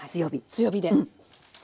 強火で。